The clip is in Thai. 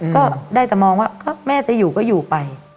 ก็ได้แต่มองว่าแม่จะอยู่ก็อยู่ไป